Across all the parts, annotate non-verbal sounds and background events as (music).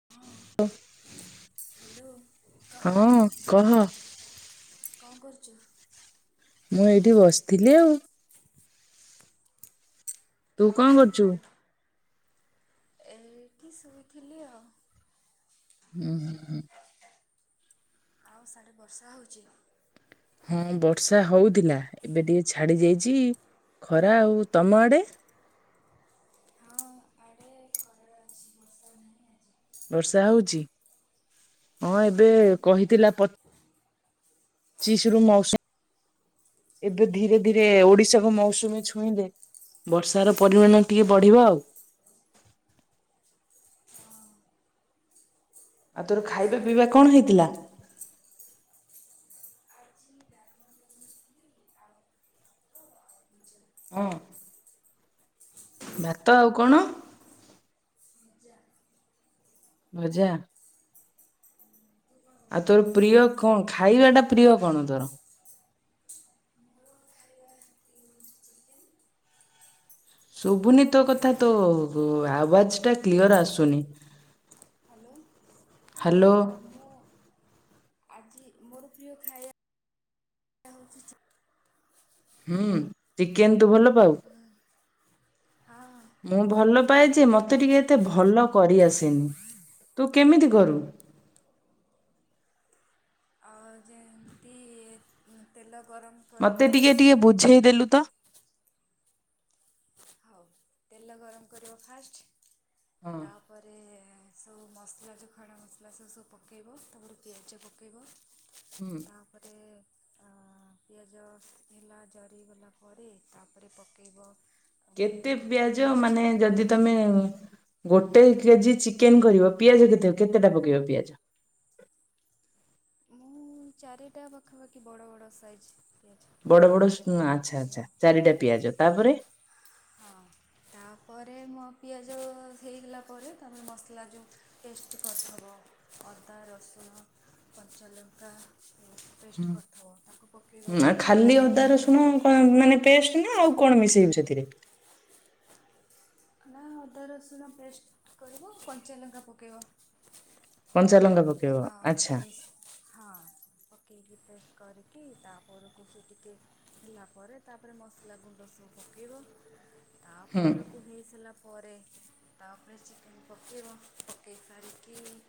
ହଁ ହ୍ୟାଲେ ହଁ କହ। କହ କଣ କରୁଛୁ? ମୁଁ ଏଇଠି ବସିଥିଲି ଆଉ। ତୁ ଆଉ କଣ କରୁଛୁ? ସାଢ଼େ ଏଇଠି ଶୋଇଥିଲି ଆଉ। ହୁଁ ହୁଁ ହୁଁ। ଆଉ ସାଢ଼େ ବର୍ଷା ହଉଛି? ହଁ ବର୍ଷା ହଉଥିଲା। ଏବେ ଟିକେ ଛାଡି ଯାଇଛି, ଖରା ଆଉ। ତମ ଆଡେ ହଁ (inaudible) ବର୍ଷା ହଉଚି। ହ (inaudible) ପଚିଶିରୁ ମୋୖସୁ ଏବେ ଧିରେ ଧିରେ ଓଡ଼ିଶାକୁ ମୌସୁମୀ ଛୁଇଁଲେ ବର୍ଷାର ପରିମାଣ ଟିକେ ବଢିବ ଆଉ। ଆଉ ତୋର ଖାଇବା ପିଇବା କଣ ହେଇଥିଲା? (inaudible) (inaudible) ଭାତ ଆଉ କଣ? ସିଜା ଭଜା। ଆଉ ତୋର ପ୍ରିୟ କଣ ଖାଇବାଟା ପ୍ରିୟ କଣ ତୋର? ମୋର ଖାଇବା ଚିକେନ୍। ଶୁଭୁନି ତୋ କଥା ତ ଆବାଜଟା କ୍ଲିୟର ଆସୁନି। ହ୍ୟାଲୋ। ମୁଁ ଆଜି ମୁଁ ମୋର ପ୍ରିୟ ଖାଇବା ହଉଛି ଚି ହୁଁ ଚିକେନ୍ ତୁ ଭଲ ପାଉ। ହଁ। ମୁଁ ଭଲ ପାଏ ଯେ ମତେ ଟିକେ ଏତେ ଭଲ କରିଆସେନି। ତୁ କେମିତି କରୁ। ଆଉ ଯେମିତି ତେଲ ଗରମ ମତେ କରିବ ଟିକେ ଟିକେ ତା ବୁଝେଇଦେଲୁ ତ। ହଉ ତେଲ ଗରମ କରିବ ଫାଷ୍ଟ୍। ହଁ ତା ପରେ ସବୁ ମସଲା ଯୋଉ ଖଡା ମସଲା ସବୁ ସବୁ ପକେଇବ। ତା ପରେ ପିଆଜ ପକେଇବ। ହୁଁ। ତା ପରେ ଆ ପିଆଜ ହେଲା ଜରିଗଲା ପରେ ତାପରେ ପକେଇବ କେତେ ପିଆଜ ମାନେ ଯଦି ଅଦା ତମେ ଗୋଟେ କେଜି ଚିକେନ୍ କରିବ। ପିଆଜ କେତେ କେତେଟା ପକେଇବ ପିଆଜ? ମୁଁ ଚାରିଟା ପାଖାପାଖି ବଡ଼ ବଡ଼ ସାଇଜ୍ ପିଆଜ। ବଡ଼ ପକାଇବ ବଡ଼ ଆଚ୍ଛା ଆଚଛା ପକାଇବ ଚାରିଟା ପିଆଜ। ତା ପରେ ହଁ ତା ପରେ ମୋ ପିଆଜ ହେଇଗଲା ପରେ ତା ପରେ ମସଲା ଯୋଉ ପେଷ୍ଟ କରିଥିବ ଅଦା ରସୁଣ କଞ୍ଚା ଲଙ୍କା ପେଷ୍ଟ କର୍ଥବ ତାକୁ ପକେଇବ ହୁଁ ଆଉ ଖାଲି ସେ ଅଦା ହେଲା ରସୁଣ ପରେ। କଣ ମାନେ ପେଷ୍ଟ ନା ଆଉ କଣ ମିଶେଇବୁ ସେଥିରେ? ନା ଅଦା ରସୁଣ ପେଷ୍ଟ କରିବ, କଞ୍ଚାଲଙ୍କା ପକେଇବ। କଞ୍ଚାଲଙ୍କା ପ ଆଉ ଏ ହଁ ପକେଇକି ପେଷ୍ଟ କରିକି ତାପରକୁ ସେ ଟିକେ ହେଲା ପରେ ତାପରେ ମସଲା ଗୁଣ୍ଡ ସବୁ ପକେଇବ। ତାପରୁ ସବୁ ହେଇସାରିଲା ପରେ ତାପରେ ଚିକେନ୍ ପକେଇବ। ପକେଇ ସାରିକି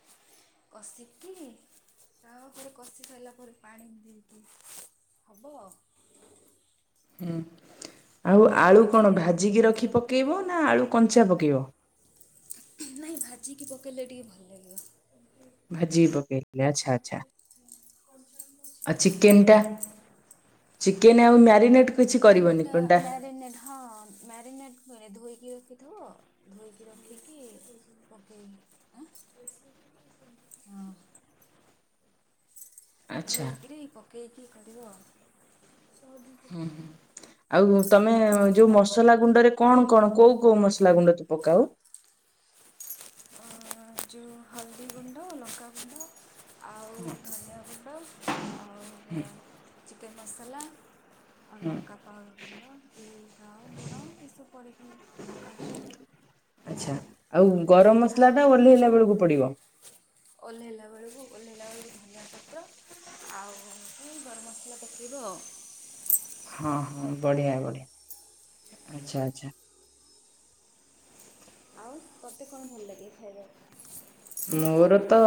କଷିକି ତା ଉପରେ କଷି ସାରିଲା ପରେ ପାଣି ଦେଇକି ହବ। ହୁଁ ଆଉ ଆଳୁ କଣ ଏମିତି ଆଉ ଭାଜିକି ରଖି ପକେଇବ ନା ଆଳୁ କଞ୍ଚା ପକେଇବ? ନାଇଁ ଭାଜିକି ପକେଇଲେ ଟିକେ ଭଲ ଲାଗିବ। ଭାଜିକି ପକେଆଇଲେ ଆଚ୍ଛା ଆଚ୍ଛା। (inaudible) ଆଉ ଚିକେନ୍ଟା ଚିକେନ୍ ଆଉ ମ୍ୟାରିନେଟ୍। ଚିକେନ୍ ଟା ମ୍ୟରିିନେଟ ହଁ। ମାରିନେଟ ଧୋଇକି ରଖିଥିବ ଧୋଇକି ରଖିକି ପକେଇ ଆ ହଁ। ଆଚ୍ଛା। ଧୋଇକିରି ପକେଇକି କରିବ। ହୁଁ ହୁଁ ଆଉ ତମେ ଯୋଉ ଆଉ। ମସଲା ଗୁଣ୍ଡରେ। କଣ କଣ କୋଉ କୋଉ ମସଲା ଗୁଣ୍ଡ ତୁ ପକାଉ? ଯେଉଁ ହଳଦୀ ଗୁଣ୍ଡ ଲଙ୍କାଗୁଣ୍ଡ ଆଉ। ହଁ। ଧନିଆ ଗୁଣ୍ଡ ଆଉ ଚିକେନ ମସଲା। ଆଉ ଲଙ୍କା ପାୱଡ଼ ଗୁଣ୍ଡ ଏଇଟା ଆଉ ଲୁଣ ଏସବୁ କରିକି ପକାହୁଏ। ଆଚ୍ଛା ଆଉ ଗରମ ମସଲା ଆଉ ଟା ଓହ୍ଲେଇଲା ବେଳକୁ ପଡିବ। ଓହ୍ଲାଇଲା ବେଳକୁ ଓହ୍ଲାଇଲା ବେଳକୁ ଧନିଆ ପତ୍ର। ଆଉ କୁ ଗରମ ମସଲା ପକାଇବ ଆଉ। ହଁ ହଁ ବଢିଆ ବଢିଆ ଆଚ୍ଛା ଆଚ୍ଛା। ଆଉ ତତେ କଣ ଭଲ ଲାଗେ ଖାଇବାକୁ? ମୋର ତ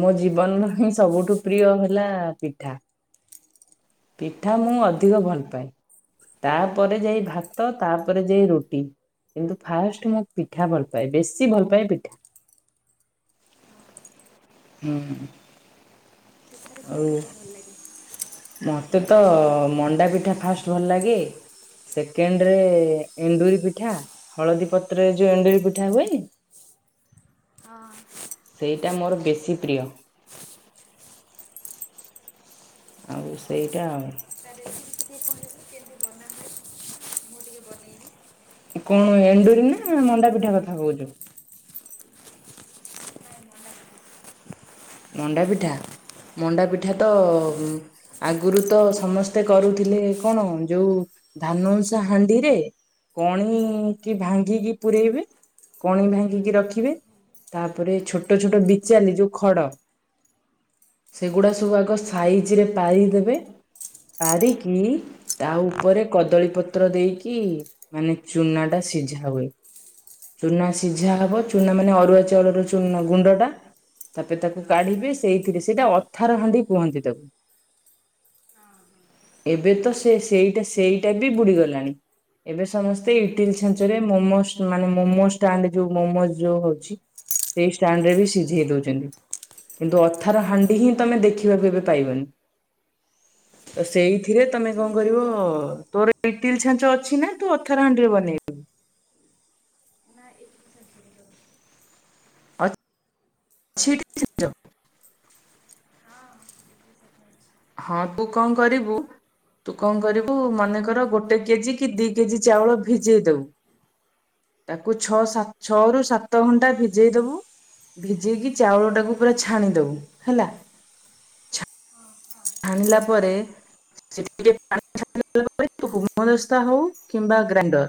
ମୋ ଜୀବନର ହିଁ ସବୁଠୁ ପ୍ରିୟ ହେଲା ପିଠା। ପିଠା ହଁ ମୁଁ ଅଧିକ ଭଲ ପାଏ। ତାପରେ ଯାଇ ଭାତ ତାପରେ ଯାଇ ରୁଟି। କିନ୍ତୁ ଫାଷ୍ଟ ମୁଁ ପିଠା ଭଲ ପାଏ ବେଶୀ ଭଲ ପାଏ ପିଠା। ହଁ ହୁଁ। ପିଠାରେ କେଉଁ ଆଉ। ପିଠା ଭଲ ଲାଗେ। ମୋତେ ତ ମଣ୍ଡା ପିଠା ଫାଷ୍ଟ ଭଲ ଲାଗେ। ସେକେଣ୍ଡ ରେ ଏଣ୍ଡୁରି ପିଠା ହଳଦୀ ପତ୍ରରେ ଯୋଉ ଏଣ୍ଡୁରି ପିଠା ହୁଏନି। ହଁ। ସେଇଟା ମୋର ବେଶୀ ପ୍ରିୟ। ଆଉ ସେଇଟା ଆଉ। ତା ରେସିପି ଟିକେ କହିବେକି? ଟିକେ ବନାହୁଏ ମୁଁ ଟିକେ ବନେଇବି। କଣ ଏଣ୍ଡୁରି ନା ମଣ୍ଡା ପିଠା କଥା କହୁଛୁ? ନାଇଁ ମଣ୍ଡା ପିଠା ମଣ୍ଡା ପିଠା ମଣ୍ଡା ପିଠା ତ। ଆଗରୁ ତ ସମସ୍ତେ କରୁଥିଲେ କଣ ଯୋଉ ଧାନଉସା ହାଣ୍ଡିରେ। କଣି କି ଭାଙ୍ଗିକି ପୂରେଇବେ। କଣି ଭାଙ୍ଗିକି ରଖିବେ ତାପରେ ଛୋଟ ଛୋଟ ବିଚାଲି ଯୋଉ ଖଡ଼। ସେଗୁଡା ସବୁ ଆଗ ସାଇଜରେ ପାରିଦେବେ ପାରିକି। ତା ଉପରେ କଦଳୀ ପତ୍ର ଦେଇକି ମାନେ ଚୁନା ଟା ସିଝା ହୁଏ। ଚୁନା ସିଝା ହେବ ଚୁନା ମାନେ ଅରୁଆ ଚାଉଳର ଚୁନା ଗୁଣ୍ଡଟା ତାପରେ ତାକୁ। କାଢିବେ ସେଇଥିରେ ସେଇଟା ଅଥାର ହାଣ୍ଡି କୁହନ୍ତି ତାକୁ। ଓଁ ହୋ ଏବେ ତ ସେ ସେଇଟା ସେଇଟା ବି ବୁଡିଗଲାଣି। ଏବେ ସମସ୍ତେ ଇଟିଲି ଛାଞ୍ଚରେ ମୋମସ୍ ମାନେ ମୋମଷ୍ଟାଣ୍ଡ ଯୋଉ ମୋମ ଯୋଉ ଅଛି। ସେଇ ଷ୍ଟାଣ୍ଡ ରେ ବି ସିଝେଇ ଦୋଉଚନ୍ତି। କିନ୍ତୁ ଅଥାର ହାଣ୍ଡି ହିଁ ତମେ ନହେଲେ ଦେଖିବାକୁ ଏବେ ପାଇବନି। ହଁ (inaudible) ତ ସେଇଥିରେ ତମେ କଣ କରିବ। ତୋର ଇଟିଲି ଛାଞ୍ଚ ଅଛି ନା ତୁ ଅଥାର ହାଣ୍ଡିରେ ବନେଇବୁ? ନା ଇଟିଲି ଛାଞ୍ଚରେ କରିବି। ଆ (unintelligible) ହଁ ଇଟିଲି ଛାଞ୍ଚ ଅଛି। ହଁ ତୁ କଣ କରିବୁ ତୁ କଣ କରିବୁ ମନେ କର ଗୋଟେ କେଜି କି ଦି କେଜି ଚାଉଳ ଭିଜେଇ ଦୋବୁ। ତାକୁ ଛଅ ସାତ ଛଅ ରୁ ସାତ ଘଣ୍ଟା ଭିଜେଇ ଦୋବୁ। ଭିଜେଇକି ଚାଉଳ ଟାକୁ ପୁରା ଛାଣିଦୋବୁ ହେଲା। ହଁ ହା। ଆଣିଲା ପରେ ସେ (unintelligible) ପା ହେମଦସ୍ତା ହୋଉ କିମ୍ବା ଗ୍ରାଇଣ୍ଡର।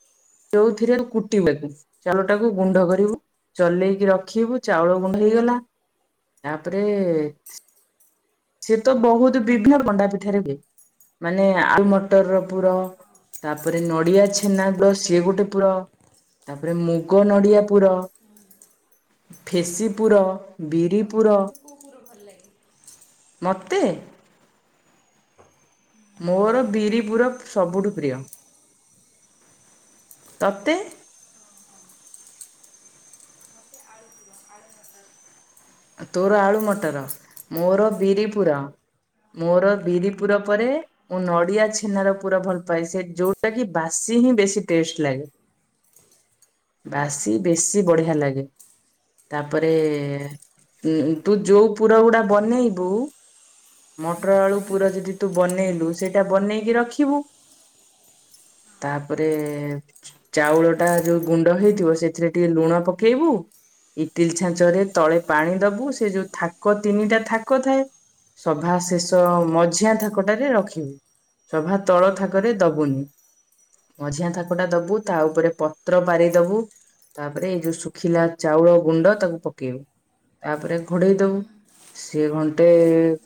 ଯୋଉ ଥିରେ କୁଟିଲେବି ଚାଉଳଟାକୁ ଗୁଣ୍ଡ କରିବୁ। ଚଲେଇକି ରଖିବୁ ଚାଉଳ ଗୁଣ୍ଡ ହେଇଗଲା। ତାପରେ ସେ ତ ବହୁତ୍ ବିଭିନ୍ନ ମଣ୍ଡା ପିଠାରେ ହୁଏ। ମାନେ ଆଳୁ ମଟର ର ପୁର। ତାପରେ ନଡିଆ ଛେନା ଗୁଡ ସିଏ ଗୋଟେ ପୁର। ତାପରେ ମୁଗ ନଡିଆ ପୁର ଫେସି ପୁର ବି ତତେ ସବୁଠୁ କୋଉ ପୁର ଭଲ ଲାଗେ? ମତେ? ହୁଁ (inaudible) ମୋର ବିରି ପୁର ସବୁଠୁ ପ୍ରିୟ। ତତେ? ଓହ ମତେ ଆଳୁ ପୁର ଆଳୁ ଚଟଣି। ତୋର ଆଳୁ ମଟର ମୋର ବିରି ପୁର। ମୋର ବିରିପୁର ପରେ ମୁଁ ନଡିଆ ଛେନାର ପୁରା ଭଲ ପାଏ। ସେ ଯୋଉଟା କି ବାସି ହିଁ ବେଶୀ ଟେଷ୍ଟେଲାଗେ। ହ (inaudible) ବାସି ବେଶୀ ବଢିଆ ଲାଗେ। ତାପରେ ଉଁ ତୁ ଯୋଉ ପୁର ଗୁଡା ବନେଇବୁ ମଟର ଆଳୁ ପୁର ଯଦି ତୁ ବନେଇଲୁ ସେଇଟା ବନେଇକି ରଖିବୁ। ତାପରେ ଚାଉଳ ଟା ଯୋଉ ଗୁଣ୍ଡ ହେଇଥିବ ସେଥିରେ ଟିକିଏ ଲୁଣ ପକେଇବୁ। ଇଟିଲି ଛାଞ୍ଚରେ ତଳେ ପାଣି ଦବୁ ସେ ଯୋଉ ଥାକ ତିନିଟା ଥାକ ଥାଏ। ସଭା ଶେଷ ମଝିଆ ଥାକଟାରେ ରଖିବୁ। ସଭା ତଳ ଥାକରେ ଦବୁନି। ମଝିଆଁ ଥାକଟା ଦବୁ ତା ଉପରେ ପତ୍ର ପାରିଦବୁ। ତାପରେ ଏଇ ଯୋଉ ଶୁଖିଲା ଚାଉଳ ଗୁଣ୍ଡ ତାକୁ ପକେଇବୁ। ତାପରେ ଘୋଡେଇ ଦବୁ। ସିଏ ଘଣ୍ଟେ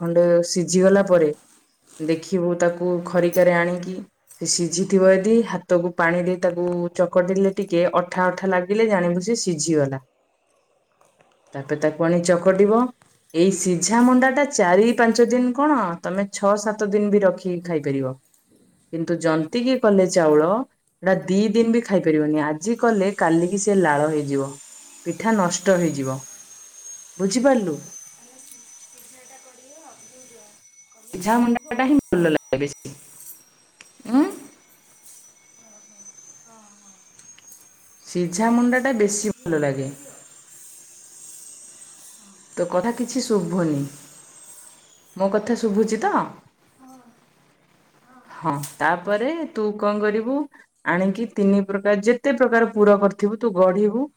ଖଣ୍ଡେ ସିଝି ଗଲା ପରେ ଦେଖିବୁ ତାକୁ ଖରିକାରେ ଆଣିକି। ସେ ସିଝିଥିବ ଯଦି ହାତକୁ ପାଣି ଦେଇ ତାକୁ ଚକଡିଦେଲେ ଟିକିଏ ଅଠା ଅଠା ଲାଗ ସିଜିଲେ ଜାଣିବୁ ଯେ ସିଝିଗଲା। ତାପରେ ତାକୁ ଆଣି ଚକଡିବ। ଏଇ ସିଝା ମଣ୍ଡା ଟା ଚାରି ପାଞ୍ଚ ଦିନ୍ କଣ ତମେ ଛଅ ସାତ ଦିନ୍ ବି ରଖିକି ଖାଇପାରିବ। କିନ୍ତୁ ଯନ୍ତିକି କଲେ ଚାଉଳ ଦି ଦିନ୍ ବି ଖାଇ ପାରିବନି ଆଜି କଲେ କାଲିକି ସେ ଲାଳ ହେଇଯିବ। ପିଠା ନଷ୍ଟ ହେଇଯିବ। ବୁଝି ପାରିଲୁ? ଆମେ ପିଜ୍ଜା ଟା କରି ଅ ଯ (inaudible) ସିଝା ମୁଣ୍ଡା ଟା ହିଁ ଭଲ ଲାଗେ। ହ ହ ହଁ ହଁ (inaudible) ସିଝା ମୁଣ୍ଡାଟା ସିଝାଟା ବେଶୀ ଭଲ ସିଝେଇକି ଲାଗେ। କରିବି ଆଉ ତୋ କଥା କିଛି ଶୁଭୁନି ମୋ କଥା ଶୁଭୁଛି ତ? ହଁ। ହଁ ତାପରେ ତୁ କଣ କରିବୁ? ଆଣିକି ତିନି ପ୍ରକାର ଯେତେ ପ୍ରକାର ପୁର କରିଥିବୁ ତୁ ଗଢ଼ିବୁ।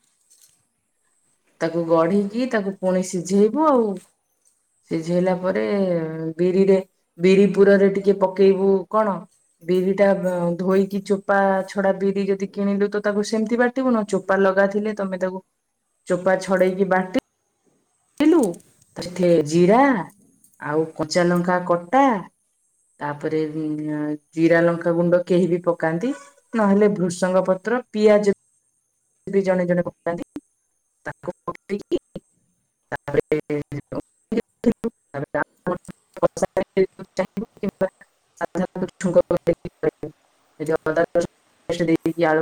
ତାକୁ ଗଢ଼ିକି ତାକୁ ପୁଣି ସିଝେଇବୁ ଆଉ। ସିଝେଇଲା ପରେ ବିରିରେ ବିରି ପୁରରେ ଟିକେ ପକେଇବୁ। କଣ ବିରି ଟା ଧୋଇକି ଚୋପା ଛଡ଼ା ବିରି ଯଦି କିଣିଲୁ ତ ତାକୁ ସେମିତି ବା ଚୋପା ଲଗାଥିଲେ ତମେ ତାକୁ ଚୋପା ଛଡ଼େଇକି ବାଟି ଜିରା ଆଉ କଞ୍ଚା ଲଙ୍କା କଟା ତାପରେ ହୁଁ ଜିରା ଲଙ୍କାଗୁଣ୍ଡ କେହି ବି ପକାନ୍ତି ନହେଲେ ଭୃସଙ୍ଗ ପତ୍ର ପିଆଜ ବି ଜଣେ ଜଣେ ପକାନ୍ତି ତାକୁ ପୋକେଇିକି ତାପରେ (unintelligible) ମ -ମ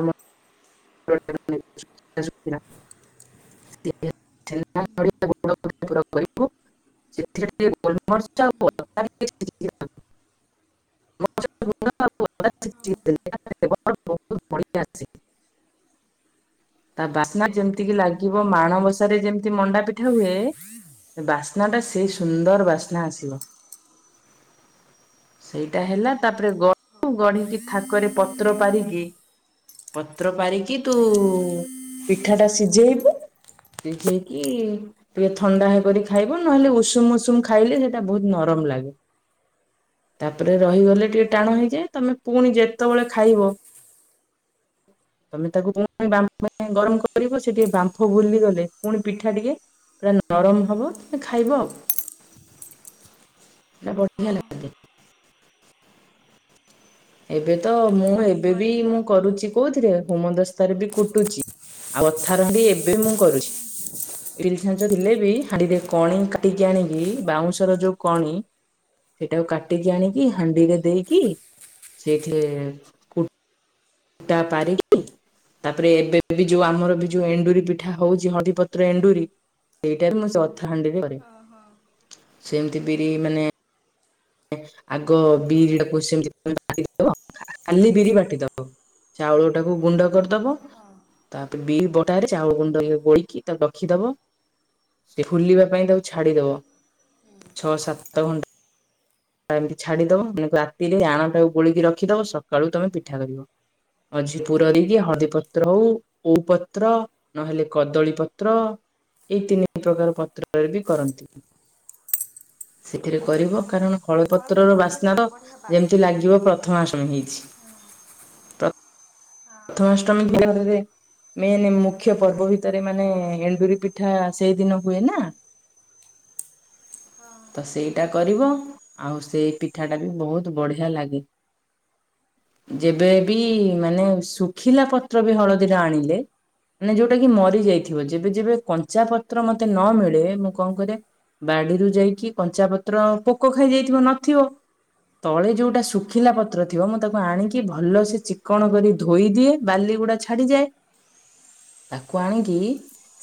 -ମୁ (inaudible) (inaudible) ଗୋଟେ ମିନିଟ ସୁଭିଲା। (inaudible) (inaudible) ସେଥିରେ ଟି ଗୋଲମରିଚ। (inaudible) (inaudible) ଆସିଚି। ତା ବାସ୍ନା ଯେମିତି କି ଲାଗିବ ମାଣବସାରେ ଯେମିତି ମଣ୍ଡା ପିଠା ହୁଏ। ବାସ୍ନା ଟା ସେଇ ସୁନ୍ଦର ମଣ୍ଡା ବାସ୍ନା ପିଠା ହଁ ନା ଆସିବ। (inaudible) ସେଇଟା ହେଲା ତାପରେ ଗଢ଼ୁ ଗଢ଼ିକି ଥାକରେ ପତ୍ର ପାରିକି। ପତ୍ର ପାରିକି ତୁ ପିଠା ଟା ସିଝେଇବୁ। ସିଝେଇକିି ଟିକେ ଥଣ୍ଡା ହେଇକରି ଖାଇବୁ ନହେଲେ ଉଷୁମ୍ ଉଷୁମ୍ ଖାଇଲେ ସେଇଟା ବହୁତ ନରମ ଲାଗେ। ତାପରେ ରହିଗଲେ ଟିଏ ଟାଣ ହେଇଯାଏ ତମେ ପୁଣି ଯେତେବେଳେ ଖାଇବ ତମେ ତାକୁ ପୁଣି ବା ଗରମ କରିବ ସେ ଟିକେ ବାମ୍ଫ ଭୁରିଗଲେ ପୁଣି ପିଠା ଟିକେ ପୁରା ନରମ ହବ ଖାଇବ। (inaudible) ବଢ଼ିଆ ଲାଗେ ଯେ। ଏବେ ତ ମୁଁ ମୋର ସେମିତି ଏବେ ବି କରିବି ମୁଁ ଆଉ ତୁ ଯୋଉ କରୁଛି କହୁତୁ ହେମଦସ୍ତାରେ ବି କୁଟୁଛି ଆଉ ଏଥର ବି ଏବେ ମୁଁ କରୁଛି। ଇଟିଲି ଛାଞ୍ଚ ଥିଲେ ବି ହାଣିରେ କଣି କାଟିକି ଆଣିକି ବାଉଁଶର ଯୋଉ କଣି। ସେଇଟାକୁ କାଟିକି ଆଣିକି ହାଣ୍ଡିରେ ଦେଇକି ସେଇଥିରେ ଟା ପାରି କି ତାପରେ ଏବେ ବି ଯୋଉ ଆମର ବି ଯୋଉ ଏଣ୍ଡୁରି ପିଠା ହଉଛି, ହଳଦୀପତ୍ର ଏଣ୍ଡୁରି ଏଇଟାରୁ ମୁଁ ସଧା ହାଣ୍ଡି କରେ। ସେମିତି ବିରି ମାନେ ଆଗ ବିରି ଟା କୁ ସେମତି ବାଟି ଦବ। (inaudible) କାଲି ବିରି ବାଟିଦବ। ଚାଉଳଟାକୁ ଗୁଣ୍ଡ କରିଦବ ହଁ ତାପରେ ବିରି ବଟାରେ ଚାଉଳ ଗୁଣ୍ଡ ଗୋଳକି ତାକୁ ରଖିଦବ ସେ ଫୁଲିବା ପାଇଁ ତାକୁ ଛାଡିଦବ, ଛଅ ସାତ ଘ ଏମିତି ହଁ ଛାଡ଼ିଦବ, ରାତିରେ ଆଣଟାକୁ ଗୋଳିକି ରଖିଦବ, ସକାଳୁ ତମେ ପିଠା କରିବ। ମଝିରେ ପୁରଦେଇକି ହଳଦୀ ପତ୍ର ହଉ କୁ ପତ୍ର ନହେଲେ କଦଳୀ ପତ୍ର, ଏଇ ତିନି ପ୍ରକାର ପତ୍ରରେ ବି କରନ୍ତି। ସେଥିରେ କରିବ, କାରଣ ହଳଦୀ ହଳପତ୍ରର ପତ୍ର ବାସ୍ନା ଟିକେ ବଢ଼ିଆ ବାସେ ଯେମିତି ଲାଗିବ ପ୍ରଥମା ଅଷ୍ଟମୀ ହେଇଛି। ହଁ ହଁ ଆଉ ପ୍ରଥମାଷ୍ଟମୀ (inaudible) (unintelligible) ମେନେ ମୁଖ୍ୟ ପର୍ବ ଭିତରେ ମାନେ ଏଣ୍ଡୁରି ପିଠା ସେଇଦିନ ହୁଏ ନା (inaudible) ତ ସେଇଟା କରିବ, ଆଉ ସେଇ ପିଠାଟା ବି ବହୁତ ବଢିଆ ଲାଗେ। ଯେବେ ବି ମାନେ ଶୁଖିଲା ପତ୍ର ବି ହଳଦୀ ର ଆଣିଲେ ମାନେ ଯୋଉଟା କି ମରି ଯାଇଥିବ। ଯେବେ ଯେବେ କଞ୍ଚା ପତ୍ର ମତେ ନ ମିଳେ, ମୁଁ କଣ କରେ ବାଡିରୁ ଯାଇକି କଞ୍ଚା ପତ୍ର ପୋକ ଖାଇ ଯାଇଥିବ ନଥିବ ତଳେ ଯୋଉଟା ଶୁଖିଲା ପତ୍ର ଥିବ, ମୁଁ ତାକୁ ଆଣିକି ଭଲସେ ଚିକଣ କରି ଧୋଇ ଦିଏ, ବାଲିଗୁଡା ଛାଡିଯାଏ। ତାକୁ ଆଣିକି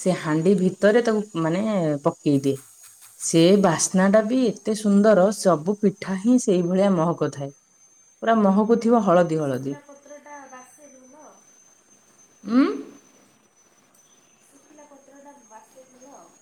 ସେ ହାଣ୍ଡି ଭିତରେ ତାକୁ ମାନେ ପକେଇଦିଏ। ସେ ବାସ୍ନାଟା ବି ଏତେ ସୁନ୍ଦର ସବୁ ପିଠା ହିଁ ସେଇଭଳିଆ ମହକ ଥାଏ। ପୁରା ମହକୁ ଥିବ ହଳଦୀ ହଳଦୀ ଶୁଖିଲା ପତ୍ରଟା ବାସେ ଭଲ ଉଁ ଶୁଙ୍ଖଲା ପତ୍ର ବାସେ ଭଲ ଆଉ।